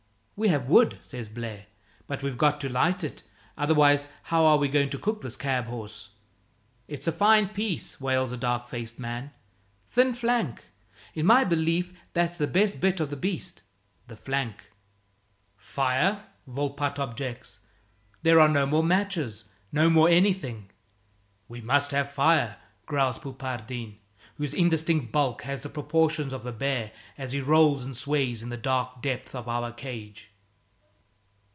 "We have wood," says Blaire, "but we've got to light it. Otherwise, how are we going to cook this cab horse?" "It's a fine piece," wails a dark faced man, "thin flank. In my belief, that's the best bit of the beast, the flank." "Fire?" Volpatte objects, "there are no more matches, no more anything." "We must have fire," growls Poupardin, whose indistinct bulk has the proportions of a bear as he rolls and sways in the dark depths of our cage.